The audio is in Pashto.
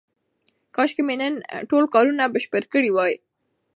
کاشکې مې نن ټول کارونه بشپړ کړي وای.